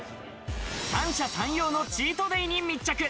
三者三様のチートデイに密着！